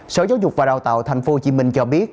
sở giáo dục và đào tạo tp hcm cho biết